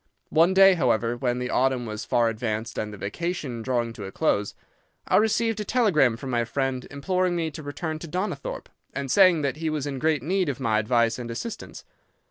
One day, however, when the autumn was far advanced and the vacation drawing to a close, I received a telegram from my friend imploring me to return to Donnithorpe, and saying that he was in great need of my advice and assistance.